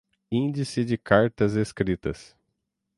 Índice de Cartas escritas